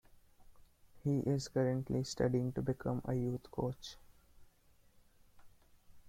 He is currently studying to become a youth coach.